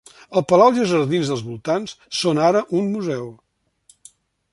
El palau i els jardins dels voltants són ara un museu.